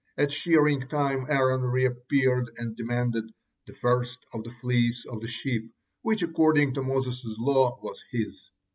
At shearing time Aaron reappeared and demanded 'the first of the fleece of the sheep,' which, according to Moses' law, was his.